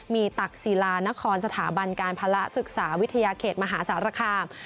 มีตักศิลานครสถาบันการภาระศึกษาวิทยาเขตมหาสารคาม